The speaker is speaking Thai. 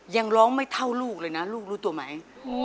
ยังร้องไม่เท่าลูกเลยนะลูกรู้ตัวไหม